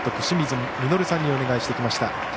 清水稔さんにお願いしてきました。